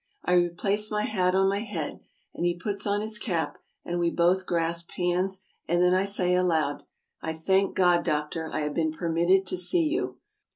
I replace my hat on my head, and he puts on his cap, and we both grasp hands, and then I say aloud: " I thank God, doctor, I have been permitted to see you.